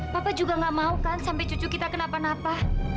papa juga gak mau kan sampai cucu kita kenapa napa